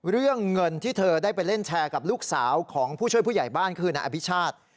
เรื่องเงินที่เธอได้ไปเล่นแชร์กับลูกสาวของผู้ช่วยผู้ใหญ่บ้านคือนายอภิชาติ